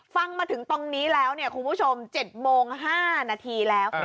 ฟังมาถึงตรงนี้แล้วเนี่ยคุณผู้ชม๗โมง๕นาทีแล้ว